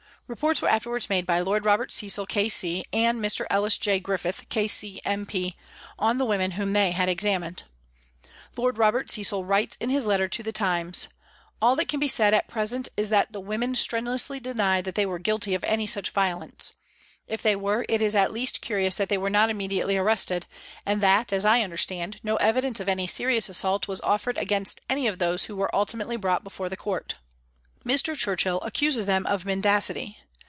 Reports were afterwards made by Lord Robert Cecil, K.C., and Mr. Ellis J. Griffith, K.C., M.P., on the women whom they had examined 314 PRISONS AND PRISONERS Lord Robert Cecil writes in his letter to the Times :" All that can be said at present is that the women strenuously deny that they were guilty of any such violence. If they were, it is at least curious that they were not immediately arrested, and that, aa I understand, no evidence of any serious assault was offered against any of those who were ultimately brought before the Court. ..." Mr. Churchill accuses them of mendacity.